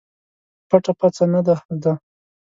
پټه پڅه نه ده زده.